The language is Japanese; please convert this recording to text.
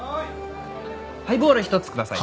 ハイボール１つください。